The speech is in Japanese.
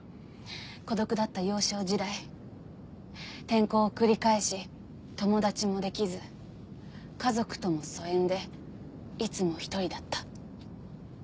孤独だった幼少時代転校を繰り返し友達もできず家族とも疎遠でいつも一人だった。